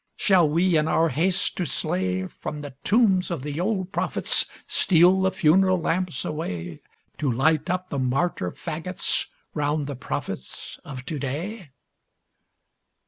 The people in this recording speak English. Shall we, in our haste to slay, From the tombs of the old prophets steal the funeral lamps away To light up the martyr fagots round the prophets of to day?